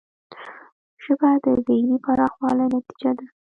ژبه د ذهنی پراخوالي نتیجه ده